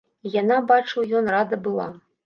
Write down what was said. І яна, бачыў ён, рада была.